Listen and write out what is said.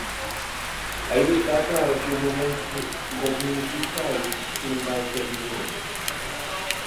Aí está claro que o momento das municipais non vai ser menor.